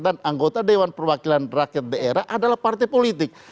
dan anggota dewan perwakilan rakyat daerah adalah partai politik